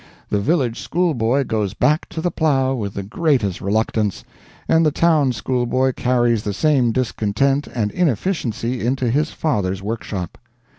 The village schoolboy goes back to the plow with the greatest reluctance; and the town schoolboy carries the same discontent and inefficiency into his father's workshop.